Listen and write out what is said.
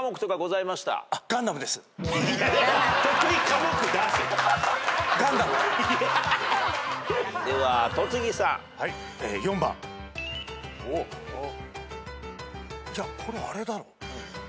いやこれあれだろ。